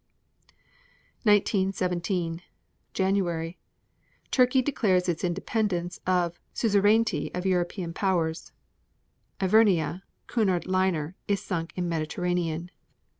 1917 January 1. Turkey declares its independence of suzerainty of European powers. 1. Ivernia, Cunard liner, is sunk in Mediterranean.